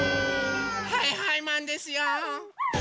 はいはいマンですよ！